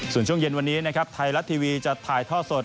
ส่วนช่วงเย็นวันนี้ไทรัตทีวีจะถ่ายท่อสด